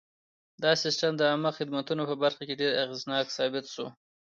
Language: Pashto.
دا سیستم د عامه خدمتونو په برخه کې ډېر اغېزناک ثابت شو.